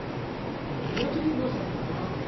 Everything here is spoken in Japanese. これ枝切りばさみだな。